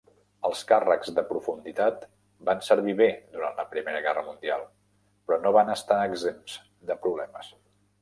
Els càrrecs de profunditat van servir bé durant la Primera Guerra Mundial, però no van estar exempts de problemes.